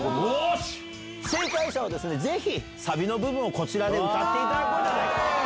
正解者はぜひ、サビの部分をこちらで歌っていただこうじゃないかと。